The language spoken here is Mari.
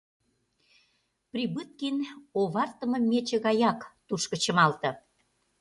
Прибыткин овартыме мече гаяк тушко чымалте.